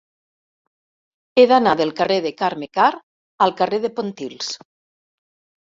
He d'anar del carrer de Carme Karr al carrer de Pontils.